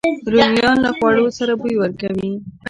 رومیان له خوړو سره بوی ورکوي